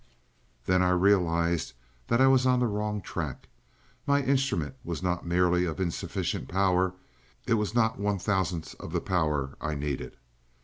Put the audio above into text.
"Then I realized that I was on the wrong track. My instrument was not merely of insufficient power, it was not one thousandth the power I needed.